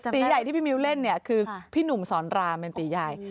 ตีใหญ่ที่พี่มิวเล่นเนี่ยคือพี่หนุ่มสอนรามเป็นตีใหญ่